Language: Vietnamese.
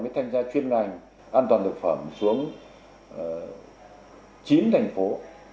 mới thanh tra chuyên ngành an toàn thực phẩm xuống chín thành phố